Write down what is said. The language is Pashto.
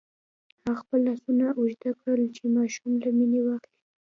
هغه خپل لاسونه اوږده کړل چې ماشوم له مينې واخلي.